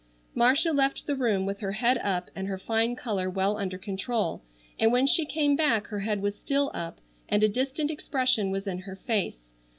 Marcia left the room with her head up and her fine color well under control, and when she came back her head was still up and a distant expression was in her face.